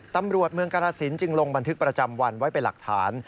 ตำรวจเมืองกรสินจึงลงบันทึกประจำวันไว้เป็นหลักฐาน